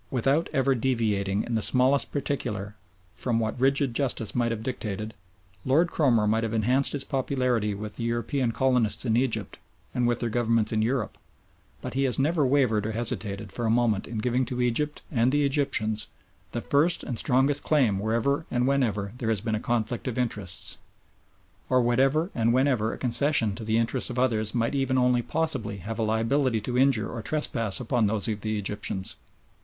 Without ever deviating in the smallest particular from what rigid justice might have dictated, Lord Cromer might have enhanced his popularity with the European colonists in Egypt and with their Governments in Europe, but he has never wavered or hesitated for a moment in giving to Egypt and the Egyptians the first and strongest claim wherever and whenever there has been a conflict of interests, or wherever and whenever a concession to the interests of others might even only possibly have a liability to injure or trespass upon those of the Egyptians.